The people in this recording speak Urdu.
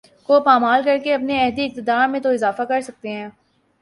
کو پامال کرکے اپنے عہد اقتدار میں تو اضافہ کر سکتے ہیں